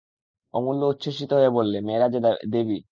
অমূল্য উচ্ছ্বসিত হয়ে বললে, মেয়েরা যে দেবী!